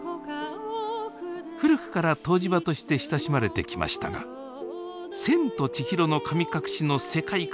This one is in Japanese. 古くから湯治場として親しまれてきましたが「千と千尋の神隠し」の世界観